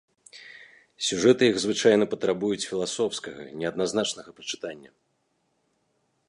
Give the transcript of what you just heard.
Сюжэты іх звычайна патрабуюць філасофскага, неадназначнага прачытання.